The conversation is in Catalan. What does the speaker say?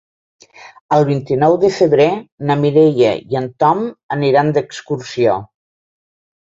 El vint-i-nou de febrer na Mireia i en Tom aniran d'excursió.